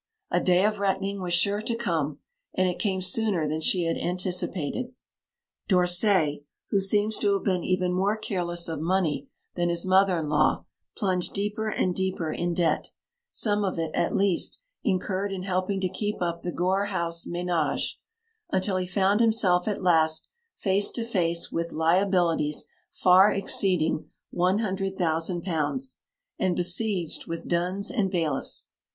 A day of reckoning was sure to come; and it came sooner than she had anticipated. D'Orsay, who seems to have been even more careless of money than his mother in law, plunged deeper and deeper in debt some of it, at least, incurred in helping to keep up the Gore House ménage until he found himself at last face to face with liabilities far exceeding £100,000, and besieged with duns and bailiffs.